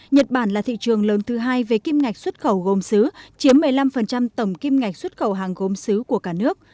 nhật bản là thị trường lớn thứ hai về kim ngạch xuất khẩu gốm xứ chiếm một mươi năm tổng kim ngạch xuất khẩu hàng gốm xứ của cả nước